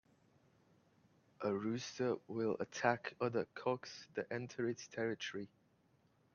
A rooster will attack other cocks that enter its territory.